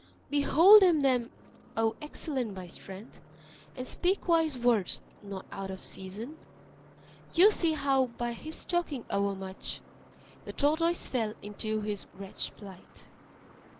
"Behold him then, O excellent by strength! And speak wise words, not out of season. You see how, by his talking overmuch, The tortoise fell into this wretched plight!"